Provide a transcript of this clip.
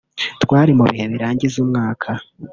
twari mu bihe birangiza umwaka